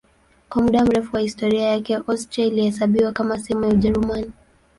Kwa muda mrefu wa historia yake Austria ilihesabiwa kama sehemu ya Ujerumani.